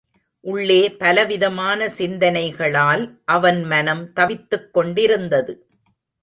உள்ளே பலவிதமான சிந்தனைகளால் அவன் மனம் தவித்துக் கொண்டிருந்தது.